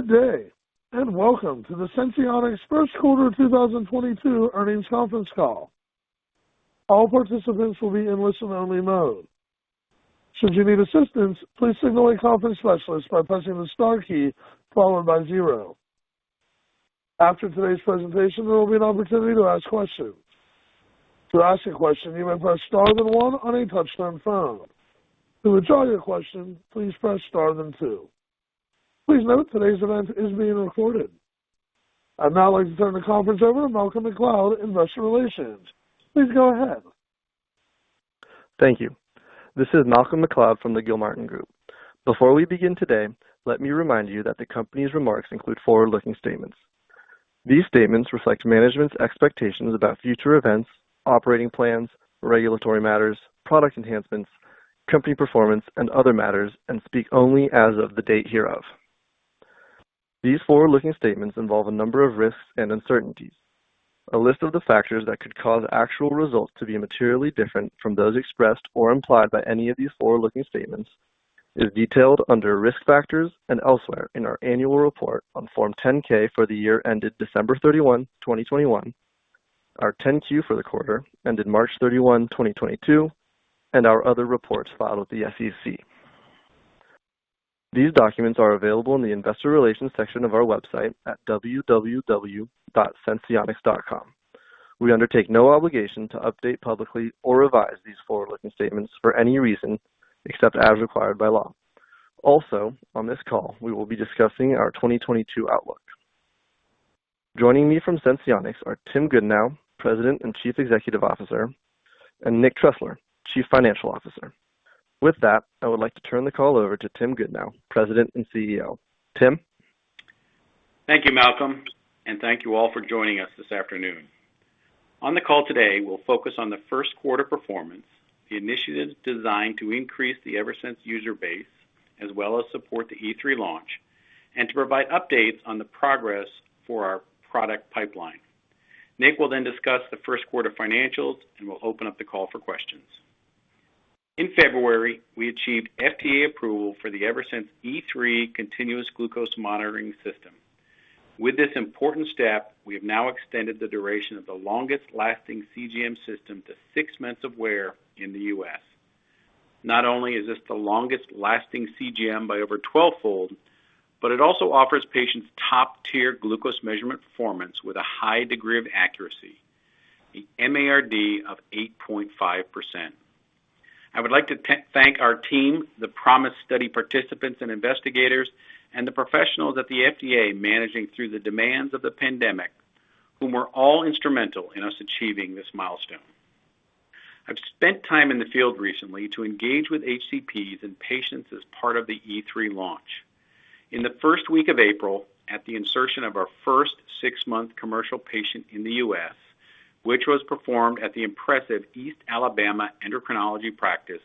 Good day, and welcome to the Senseonics' first quarter 2022 earnings conference call. All participants will be in listen-only mode. Should you need assistance, please signal a conference specialist by pressing the star key followed by zero. After today's presentation, there will be an opportunity to ask questions. To ask a question, you may press Star then one on a touchtone phone. To withdraw your question, please press Star then two. Please note today's event is being recorded. I'd now like to turn the conference over to Malcolm MacLeod, Investor Relations. Please go ahead. Thank you. This is Malcolm MacLeod from the Gilmartin Group. Before we begin today, let me remind you that the company's remarks include forward-looking statements. These statements reflect management's expectations about future events, operating plans, regulatory matters, product enhancements, company performance, and other matters, and speak only as of the date hereof. These forward-looking statements involve a number of risks and uncertainties. A list of the factors that could cause actual results to be materially different from those expressed or implied by any of these forward-looking statements is detailed under Risk Factors and elsewhere in our annual report on Form 10-K for the year ended December 31, 2021, our 10-Q for the quarter ended March 31, 2022, and our other reports filed with the SEC. These documents are available in the Investor Relations section of our website at www.senseonics.com. We undertake no obligation to update publicly or revise these forward-looking statements for any reason, except as required by law. Also, on this call, we will be discussing our 2022 outlook. Joining me from Senseonics are Tim Goodnow, President and Chief Executive Officer, and Rick Tressler, Chief Financial Officer. With that, I would like to turn the call over to Tim Goodnow, President and CEO. Tim? Thank you, Malcolm, and thank you all for joining us this afternoon. On the call today, we'll focus on the first quarter performance, the initiatives designed to increase the Eversense user base, as well as support the E3 launch, and to provide updates on the progress for our product pipeline. Rick will then discuss the first quarter financials, and we'll open up the call for questions. In February, we achieved FDA approval for the Eversense E3 continuous glucose monitoring system. With this important step, we have now extended the duration of the longest-lasting CGM system to six months of wear in the U.S. Not only is this the longest-lasting CGM by over 12-fold, but it also offers patients top-tier glucose measurement performance with a high degree of accuracy, a MARD of 8.5%. I would like to thank our team, the PROMISE study participants and investigators, and the professionals at the FDA managing through the demands of the pandemic, whom were all instrumental in us achieving this milestone. I've spent time in the field recently to engage with HCPs and patients as part of the E3 launch. In the first week of April, at the insertion of our first six-month commercial patient in the U.S., which was performed at the impressive East Alabama Endocrinology, P.C.,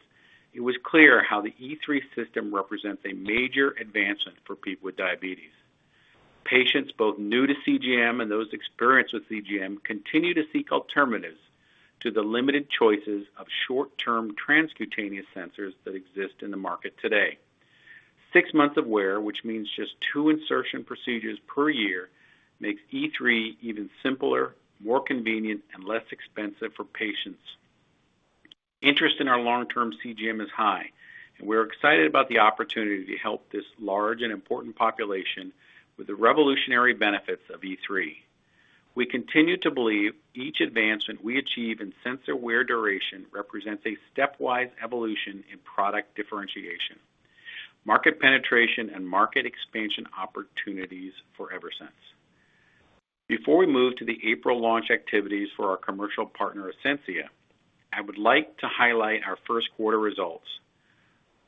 it was clear how the E3 system represents a major advancement for people with diabetes. Patients both new to CGM and those experienced with CGM continue to seek alternatives to the limited choices of short-term transcutaneous sensors that exist in the market today 6 months of wear, which means just 2 insertion procedures per year, makes E3 even simpler, more convenient, and less expensive for patients. Interest in our long-term CGM is high, and we're excited about the opportunity to help this large and important population with the revolutionary benefits of E3. We continue to believe each advancement we achieve in sensor wear duration represents a stepwise evolution in product differentiation, market penetration, and market expansion opportunities for Eversense. Before we move to the April launch activities for our commercial partner, Ascensia, I would like to highlight our first quarter results.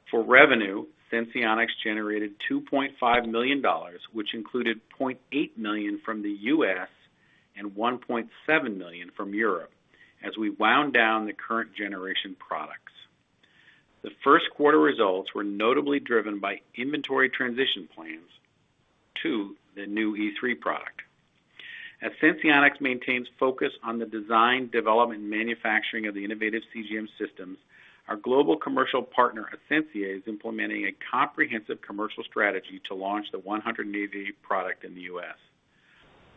For revenue, Senseonics generated $2.5 million, which included $0.8 million from the U.S. and $1.7 million from Europe as we wound down the current generation products. The first quarter results were notably driven by inventory transition plans to the new E3 product. Senseonics maintains focus on the design, development, and manufacturing of the innovative CGM systems. Our global commercial partner, Ascensia, is implementing a comprehensive commercial strategy to launch the 180 product in the U.S.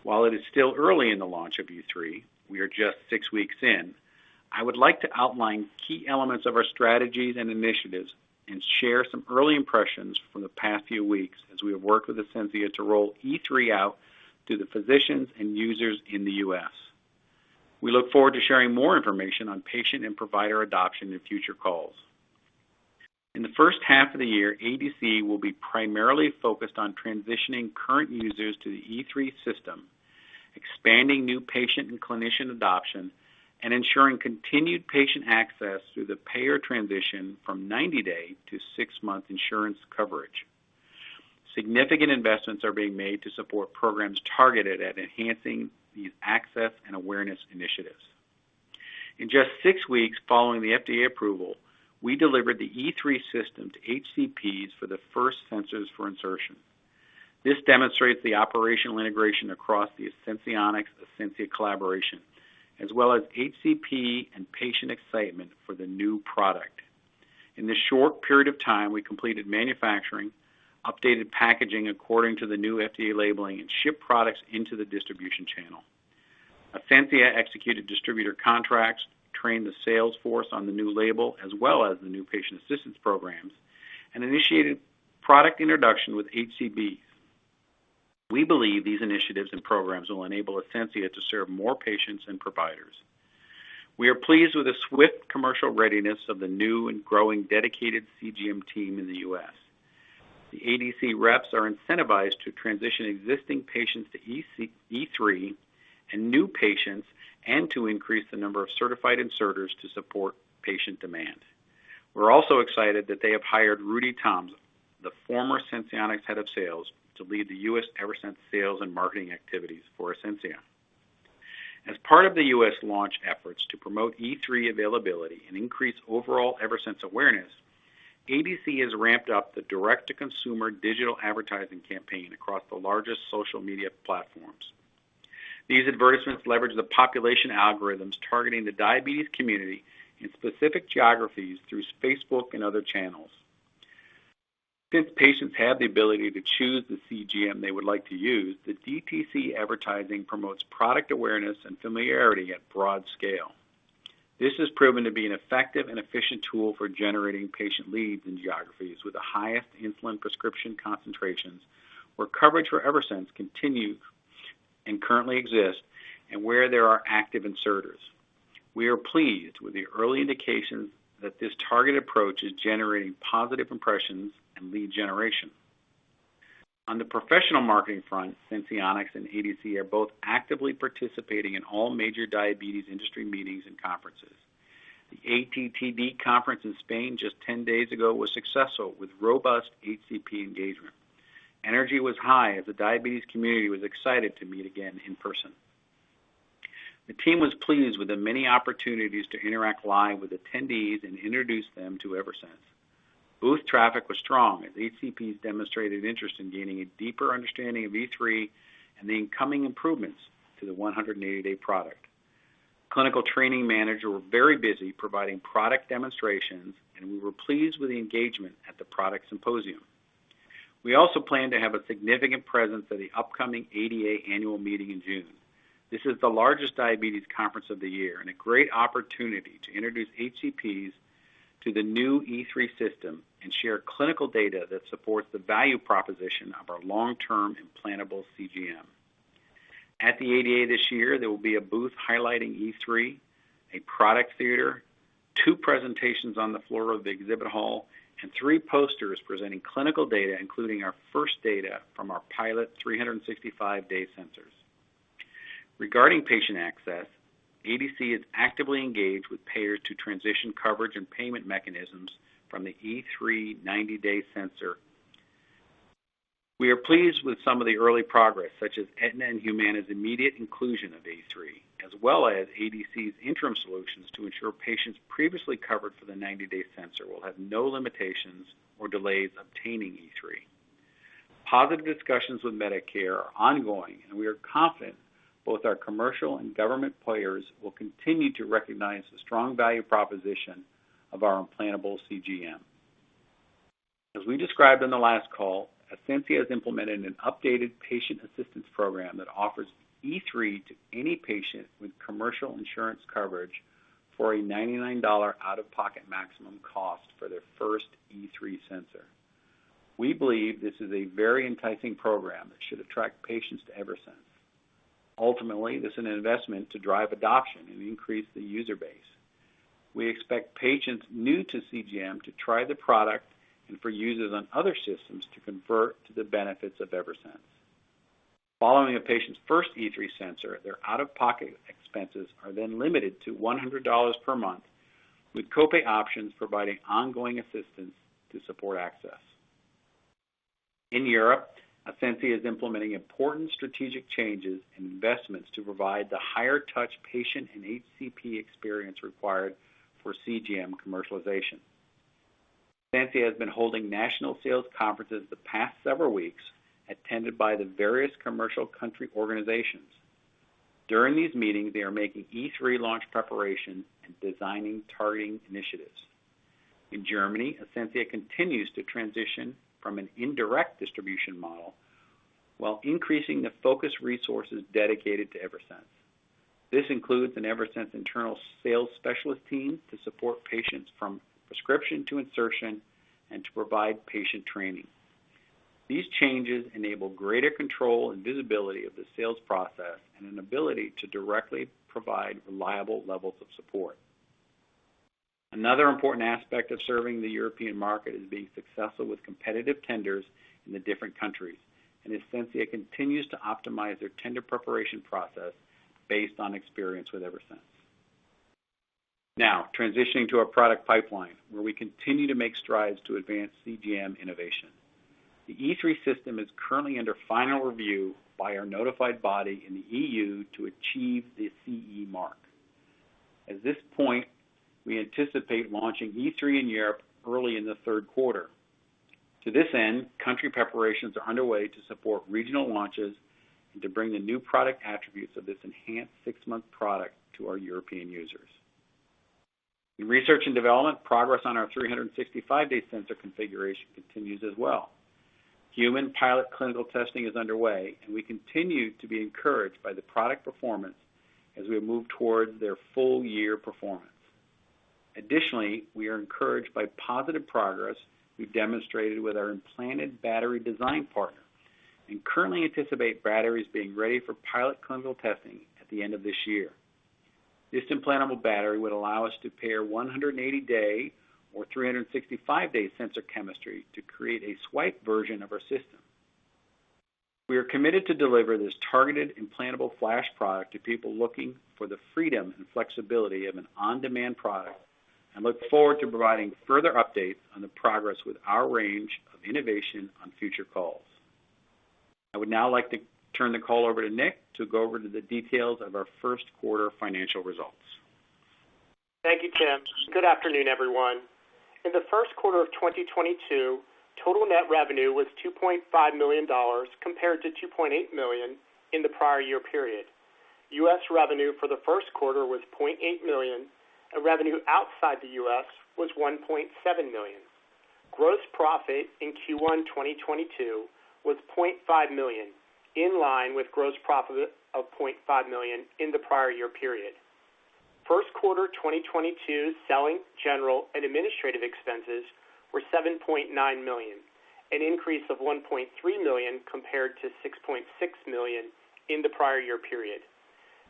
While it is still early in the launch of E3, we are just 6 weeks in. I would like to outline key elements of our strategies and initiatives and share some early impressions from the past few weeks as we have worked with Ascensia to roll E3 out to the physicians and users in the U.S. We look forward to sharing more information on patient and provider adoption in future calls. In the first half of the year, ADC will be primarily focused on transitioning current users to the E3 system, expanding new patient and clinician adoption, and ensuring continued patient access through the payer transition from 90-day to 6-month insurance coverage. Significant investments are being made to support programs targeted at enhancing these access and awareness initiatives. In just 6 weeks following the FDA approval, we delivered the E3 system to HCPs for the first sensors for insertion. This demonstrates the operational integration across the Senseonics Ascensia collaboration, as well as HCP and patient excitement for the new product. In this short period of time, we completed manufacturing, updated packaging according to the new FDA labeling, and shipped products into the distribution channel. Ascensia executed distributor contracts, trained the sales force on the new label as well as the new patient assistance programs, and initiated product introduction with HCPs. We believe these initiatives and programs will enable Ascensia to serve more patients and providers. We are pleased with the swift commercial readiness of the new and growing dedicated CGM team in the U.S. The ADC reps are incentivized to transition existing patients to E3 and new patients and to increase the number of certified inserters to support patient demand. We're also excited that they have hired Rudy Thoms, the former Senseonics head of sales, to lead the U.S. Eversense sales and marketing activities for Ascensia. As part of the U.S. launch efforts to promote E3 availability and increase overall Eversense awareness, ADC has ramped up the direct-to-consumer digital advertising campaign across the largest social media platforms. These advertisements leverage the population algorithms targeting the diabetes community in specific geographies through Facebook and other channels. Since patients have the ability to choose the CGM they would like to use, the DTC advertising promotes product awareness and familiarity at broad scale. This has proven to be an effective and efficient tool for generating patient leads in geographies with the highest insulin prescription concentrations, where coverage for Eversense continues and currently exists, and where there are active inserters. We are pleased with the early indications that this targeted approach is generating positive impressions and lead generation. On the professional marketing front, Senseonics and ADC are both actively participating in all major diabetes industry meetings and conferences. The ATTD conference in Spain just 10 days ago was successful with robust HCP engagement. Energy was high as the diabetes community was excited to meet again in person. The team was pleased with the many opportunities to interact live with attendees and introduce them to Eversense. Booth traffic was strong as HCPs demonstrated interest in gaining a deeper understanding of E3 and the incoming improvements to the 180-day product. Clinical training managers were very busy providing product demonstrations, and we were pleased with the engagement at the product symposium. We also plan to have a significant presence at the upcoming ADA annual meeting in June. This is the largest diabetes conference of the year and a great opportunity to introduce HCPs to the new E3 system and share clinical data that supports the value proposition of our long-term implantable CGM. At the ADA this year, there will be a booth highlighting E3, a product theater, two presentations on the floor of the exhibit hall, and three posters presenting clinical data, including our first data from our pilot 365-day sensors. Regarding patient access, ADC is actively engaged with payers to transition coverage and payment mechanisms from the E3 90-day sensor. We are pleased with some of the early progress, such as Aetna and Humana's immediate inclusion of E3, as well as ADC's interim solutions to ensure patients previously covered for the 90-day sensor will have no limitations or delays obtaining E3. Positive discussions with Medicare are ongoing, and we are confident both our commercial and government players will continue to recognize the strong value proposition of our implantable CGM. As we described on the last call, Ascensia has implemented an updated patient assistance program that offers E3 to any patient with commercial insurance coverage for a $99 out-of-pocket maximum cost for their first E3 sensor. We believe this is a very enticing program that should attract patients to Eversense. Ultimately, this is an investment to drive adoption and increase the user base. We expect patients new to CGM to try the product and for users on other systems to convert to the benefits of Eversense. Following a patient's first E3 sensor, their out-of-pocket expenses are then limited to $100 per month, with copay options providing ongoing assistance to support access. In Europe, Ascensia is implementing important strategic changes and investments to provide the higher-touch patient and HCP experience required for CGM commercialization. Ascensia has been holding national sales conferences the past several weeks, attended by the various commercial country organizations. During these meetings, they are making E3 launch preparations and designing targeting initiatives. In Germany, Ascensia continues to transition from an indirect distribution model while increasing the focused resources dedicated to Eversense. This includes an Eversense internal sales specialist team to support patients from prescription to insertion and to provide patient training. These changes enable greater control and visibility of the sales process and an ability to directly provide reliable levels of support. Another important aspect of serving the European market is being successful with competitive tenders in the different countries, and Ascensia continues to optimize their tender preparation process based on experience with Eversense. Now, transitioning to our product pipeline, where we continue to make strides to advance CGM innovation. The E3 system is currently under final review by our notified body in the EU to achieve the CE mark. At this point, we anticipate launching E3 in Europe early in the third quarter. To this end, country preparations are underway to support regional launches and to bring the new product attributes of this enhanced six-month product to our European users. In research and development, progress on our 365-day sensor configuration continues as well. Human pilot clinical testing is underway, and we continue to be encouraged by the product performance as we move towards their full year performance. Additionally, we are encouraged by positive progress we've demonstrated with our implanted battery design partner and currently anticipate batteries being ready for pilot clinical testing at the end of this year. This implantable battery would allow us to pair 180-day or 365-day sensor chemistry to create a swipe version of our system. We are committed to deliver this targeted implantable flash product to people looking for the freedom and flexibility of an on-demand product, and look forward to providing further updates on the progress with our range of innovation on future calls. I would now like to turn the call over to Rick to go over the details of our first quarter financial results. Thank you, Tim. Good afternoon, everyone. In the first quarter of 2022, total net revenue was $2.5 million compared to $2.8 million in the prior year period. U.S. revenue for the first quarter was $0.8 million, and revenue outside the U.S. was $1.7 million. Gross profit in Q1 2022 was $0.5 million, in line with gross profit of $0.5 million in the prior year period. First quarter 2022 selling, general and administrative expenses were $7.9 million, an increase of $1.3 million compared to $6.6 million in the prior year period.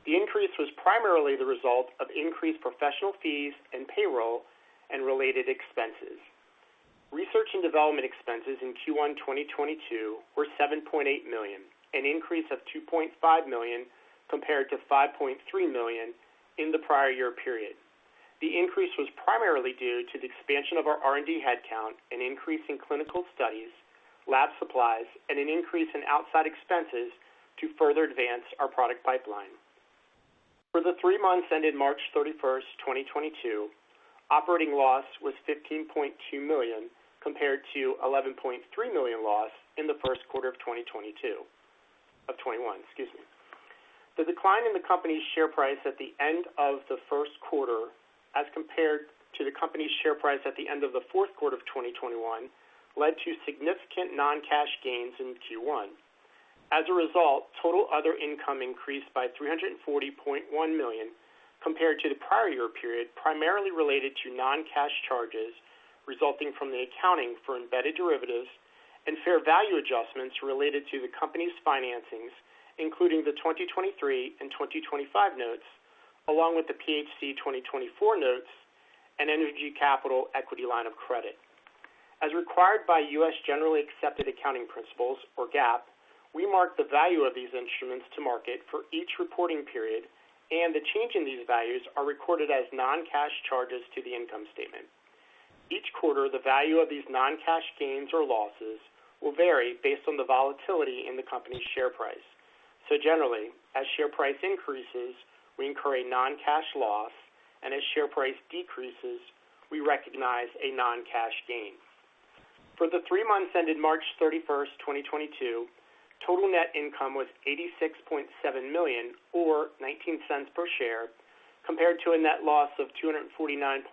The increase was primarily the result of increased professional fees and payroll and related expenses. Research and development expenses in Q1 2022 were $7.8 million, an increase of $2.5 million compared to $5.3 million in the prior year period. The increase was primarily due to the expansion of our R&D headcount, an increase in clinical studies, lab supplies, and an increase in outside expenses to further advance our product pipeline. For the three months ended March 31, 2022, operating loss was $15.2 million, compared to $11.3 million loss in the first quarter of 2021, excuse me. The decline in the company's share price at the end of the first quarter, as compared to the company's share price at the end of the fourth quarter of 2021, led to significant non-cash gains in Q1. As a result, total other income increased by $340.1 million compared to the prior year period, primarily related to non-cash charges resulting from the accounting for embedded derivatives and fair value adjustments related to the company's financings, including the 2023 and 2025 notes, along with the PHC 2024 notes and Energy Capital equity line of credit. As required by U.S. generally accepted accounting principles or GAAP, we mark the value of these instruments to market for each reporting period, and the change in these values are recorded as non-cash charges to the income statement. Each quarter, the value of these non-cash gains or losses will vary based on the volatility in the company's share price. Generally, as share price increases, we incur a non-cash loss, and as share price decreases, we recognize a non-cash gain. For the three months ended March 31, 2022, total net income was $86.7 million or $0.19 per share, compared to a net loss of $249.5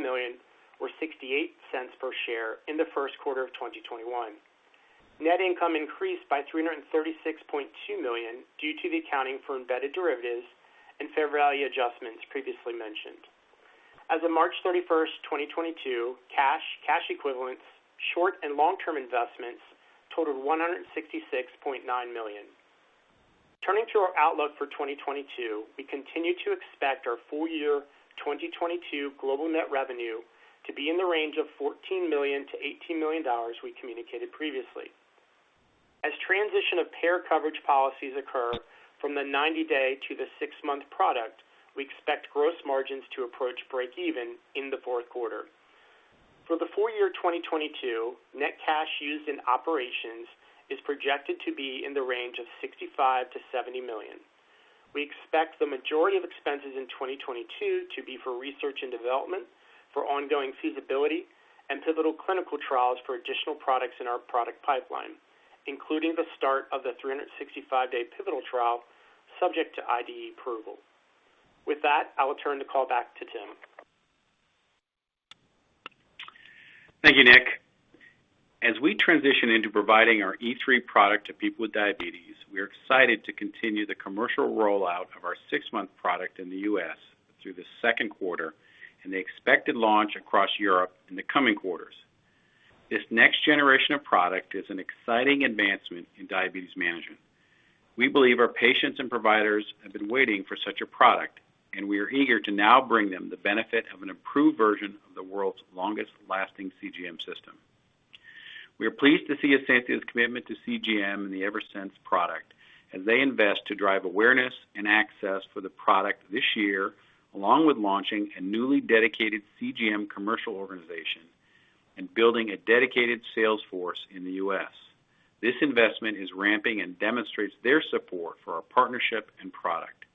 million or $0.68 per share in the first quarter of 2021. Net income increased by $336.2 million due to the accounting for embedded derivatives and fair value adjustments previously mentioned. As of March 31, 2022, cash equivalents, short- and long-term investments totaled $166.9 million. Turning to our outlook for 2022, we continue to expect our full-year 2022 global net revenue to be in the range of $14 million-$18 million we communicated previously. As transition of care coverage policies occur from the 90-day to the 6-month product, we expect gross margins to approach break even in the fourth quarter. For the full year 2022, net cash used in operations is projected to be in the range of $65 million-$70 million. We expect the majority of expenses in 2022 to be for research and development, for ongoing feasibility and pivotal clinical trials for additional products in our product pipeline, including the start of the 365-day pivotal trial subject to IDE approval. With that, I will turn the call back to Tim. Thank you, Rick. As we transition into providing our E3 product to people with diabetes, we are excited to continue the commercial rollout of our six-month product in the U.S. through the second quarter and the expected launch across Europe in the coming quarters. This next generation of product is an exciting advancement in diabetes management. We believe our patients and providers have been waiting for such a product, and we are eager to now bring them the benefit of an improved version of the world's longest lasting CGM system. We are pleased to see Ascensia's commitment to CGM and the Eversense product as they invest to drive awareness and access for the product this year, along with launching a newly dedicated CGM commercial organization and building a dedicated sales force in the U.S. This investment is ramping and demonstrates their support for our partnership and product.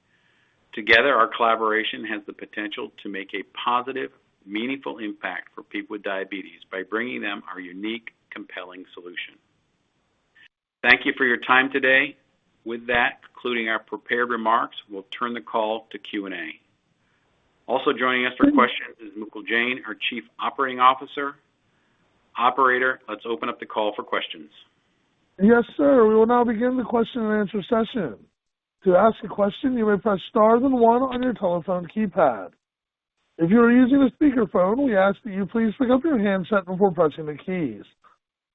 Together, our collaboration has the potential to make a positive, meaningful impact for people with diabetes by bringing them our unique, compelling solution. Thank you for your time today. With that, concluding our prepared remarks, we'll turn the call to Q&A. Also joining us for questions is Mukul Jain, our Chief Operating Officer. Operator, let's open up the call for questions. Yes, sir. We will now begin the question-and-answer session. To ask a question, you may press * then 1 on your telephone keypad. If you are using a speakerphone, we ask that you please pick up your handset before pressing the keys.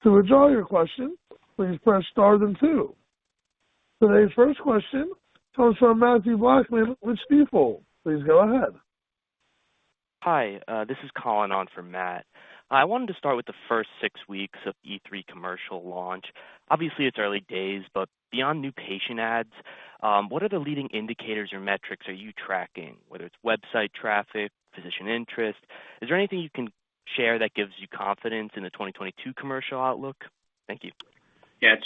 To withdraw your question, please press * then 2. Today's first question comes from Mathew Blackman with Stifel. Please go ahead. Hi, this is Cullen calling in for Matt. I wanted to start with the first six weeks of E3 commercial launch. Obviously, it's early days, but beyond new patient ads, what are the leading indicators or metrics you are tracking, whether it's website traffic, physician interest? Is there anything you can share that gives you confidence in the 2022 commercial outlook? Thank you. Yes.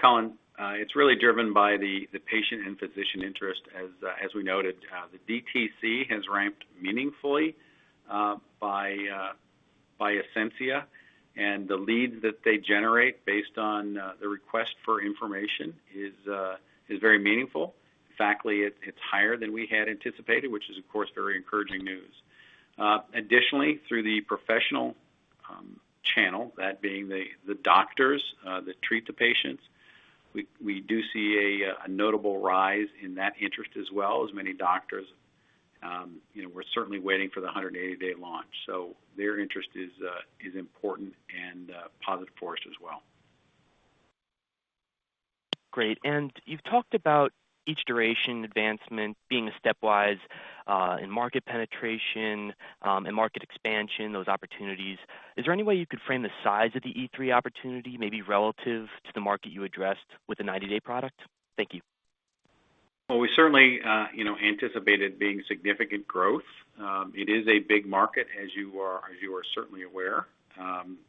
Cullen, it's really driven by the patient and physician interest. As we noted, the DTC has ramped meaningfully by Ascensia, and the leads that they generate based on the request for information is very meaningful. In fact, it's higher than we had anticipated, which is, of course, very encouraging news. Additionally, through the professional channel, that being the doctors that treat the patients, we do see a notable rise in that interest as well, as many doctors, you know, we're certainly waiting for the 180-day launch. Their interest is important and positive for us as well. Great. You've talked about each duration advancement being a stepwise in market penetration in market expansion, those opportunities. Is there any way you could frame the size of the E3 opportunity, maybe relative to the market you addressed with the 90-day product? Thank you. Well, we certainly, you know, anticipated seeing significant growth. It is a big market, as you are certainly aware.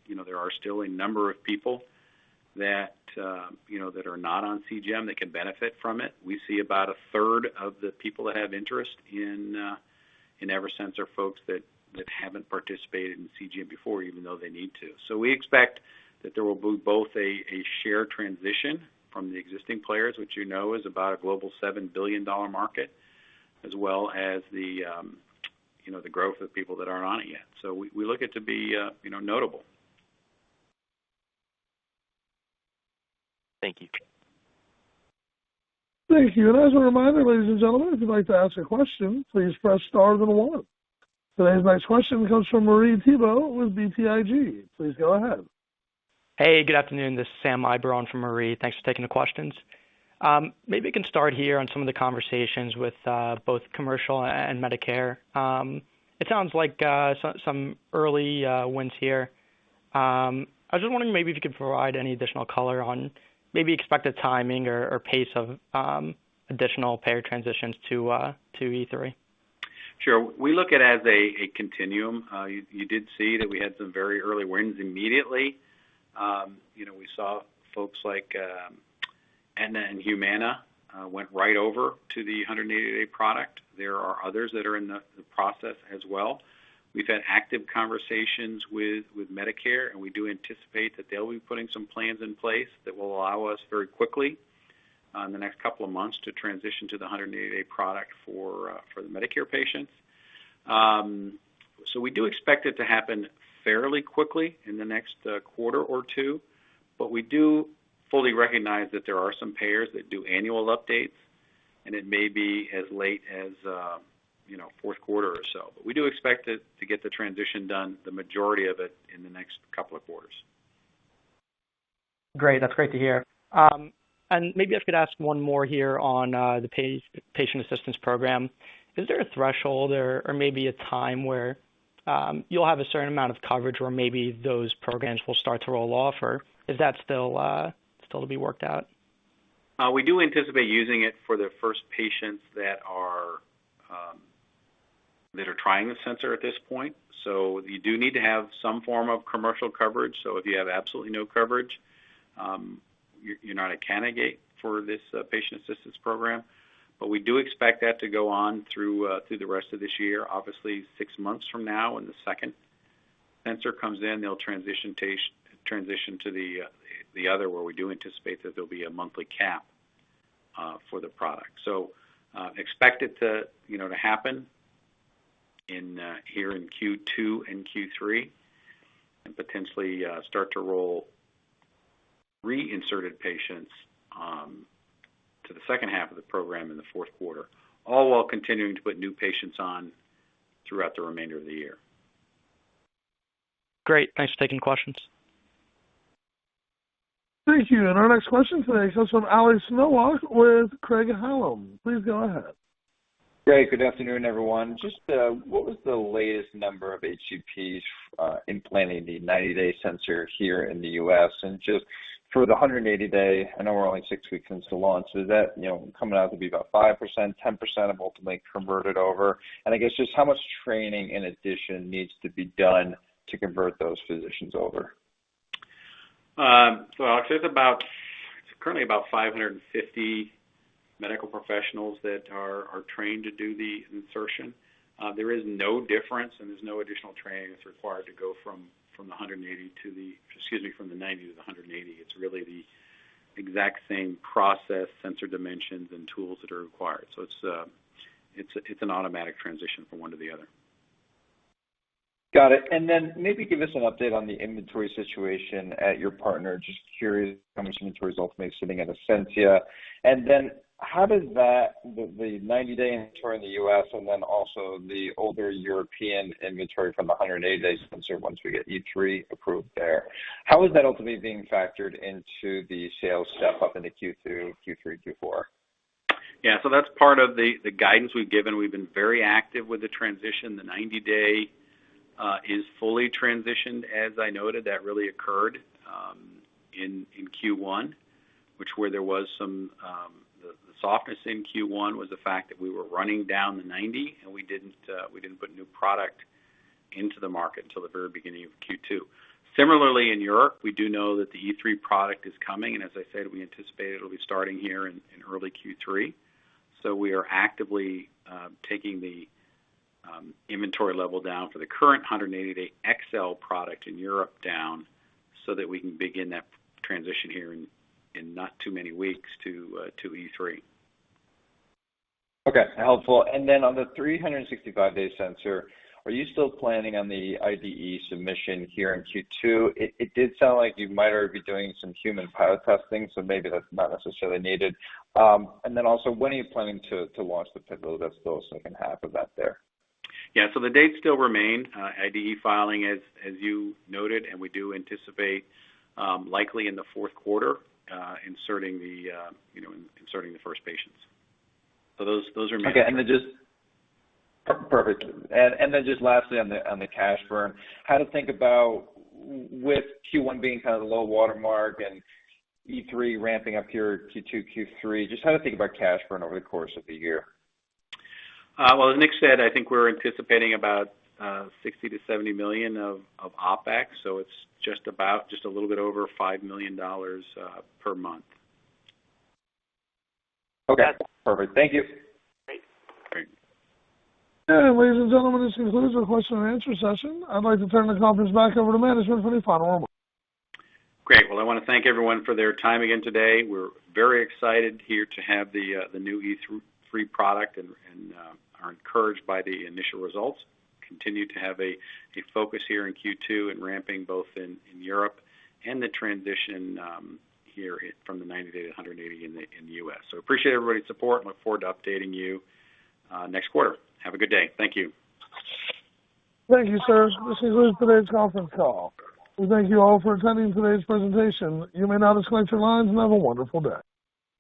You know, there are still a number of people that, you know, that are not on CGM that can benefit from it. We see about a third of the people that have interest in Eversense are folks that haven't participated in CGM before, even though they need to. We expect that there will be both a share transition from the existing players, which, you know, is about a global $7 billion market, as well as the growth of people that aren't on it yet. We look for it to be, you know, notable. Thank you. Thank you. As a reminder, ladies and gentlemen, if you'd like to ask a question, please press * then 1. Today's next question comes from Marie Thibault with BTIG. Please go ahead. Hey, good afternoon. This is Sam Eiber on for Marie. Thanks for taking the questions. Maybe I can start here on some of the conversations with both commercial and Medicare. It sounds like some early wins here. I was just wondering maybe if you could provide any additional color on maybe expected timing or pace of additional payer transitions to E3. Sure. We look at it as a continuum. You did see that we had some very early wins immediately. You know, we saw folks like Aetna and Humana went right over to the 180-day product. There are others that are in the process as well. We've had active conversations with Medicare, and we do anticipate that they'll be putting some plans in place that will allow us very quickly in the next couple of months to transition to the 180-day product for the Medicare patients. So we do expect it to happen fairly quickly in the next quarter or two. But we do fully recognize that there are some payers that do annual updates, and it may be as late as you know, fourth quarter or so. We do expect to get the transition done, the majority of it in the next couple of quarters. Great. That's great to hear. Maybe I could ask one more here on the patient assistance program. Is there a threshold or maybe a time where you'll have a certain amount of coverage or maybe those programs will start to roll off, or is that still to be worked out? We do anticipate using it for the first patients that are trying the sensor at this point. You do need to have some form of commercial coverage. If you have absolutely no coverage, you're not a candidate for this patient assistance program. We do expect that to go on through the rest of this year. Obviously, six months from now, when the second sensor comes in, they'll transition to the other, where we do anticipate that there'll be a monthly cap for the product. Expect it to, you know, to happen in here in Q2 and Q3, and potentially start to roll reinserted patients to the second half of the program in the fourth quarter, all while continuing to put new patients on throughout the remainder of the year. Great. Thanks for taking questions. Thank you. Our next question today comes from Alex Nowak with Craig-Hallum. Please go ahead. Great. Good afternoon, everyone. Just, what was the latest number of HCPs, implanting the 90-day sensor here in the U.S.? Just for the 180-day, I know we're only six weeks into launch. Is that, you know, coming out to be about 5%, 10% of ultimately converted over? I guess just how much training in addition needs to be done to convert those physicians over? Alex, it's currently about 550 medical professionals that are trained to do the insertion. There is no difference and there's no additional training that's required to go from the 90 to the 180. It's really the exact same process, sensor dimensions, and tools that are required. It's an automatic transition from one to the other. Got it. Maybe give us an update on the inventory situation at your partner. Just curious how much inventory is ultimately sitting at Ascensia. How does that, the 90-day inventory in the US and then also the older European inventory from the 180 days once we get E3 approved there, how is that ultimately being factored into the sales step up into Q2, Q3, Q4? That's part of the guidance we've given. We've been very active with the transition. The 90-day is fully transitioned. As I noted, that really occurred in Q1, which where there was some the softness in Q1 was the fact that we were running down the 90 and we didn't put new product into the market until the very beginning of Q2. Similarly, in Europe, we do know that the E3 product is coming and as I said, we anticipate it'll be starting here in early Q3. We are actively taking the inventory level down for the current 180-day XL product in Europe down so that we can begin that transition here in not too many weeks to E3. Okay. Helpful. Then on the 365-day sensor, are you still planning on the IDE submission here in Q2? It did sound like you might already be doing some human pilot testing, so maybe that's not necessarily needed. Then also when are you planning to launch the pivotal study, so second half of that there? The date still remained, IDE filing as you noted, and we do anticipate likely in the fourth quarter, inserting the first patients. Those are my- Lastly on the cash burn, how to think about, with Q1 being kind of the low watermark and E3 ramping up here Q2, Q3, just how to think about cash burn over the course of the year? Well, as Rick said, I think we're anticipating about 60-70 million of OpEx, so it's just about a little bit over $5 million per month. Okay. Perfect. Thank you. Great. Great. Ladies and gentlemen, this concludes our question and answer session. I'd like to turn the conference back over to management for any final remarks. Great. Well, I wanna thank everyone for their time again today. We're very excited here to have the new E3 product and are encouraged by the initial results. Continue to have a focus here in Q2 and ramping both in Europe and the transition here from the 90-day to 180 in the U.S. Appreciate everybody's support and look forward to updating you next quarter. Have a good day. Thank you. Thank you, sir. This will end today's conference call. We thank you all for attending today's presentation. You may now disconnect your lines and have a wonderful day.